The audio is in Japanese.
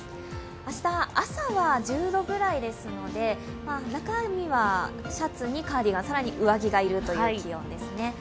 明日、朝は１０度ぐらいですので中身はシャツにカーディガン更に上着が要るという気温ですね。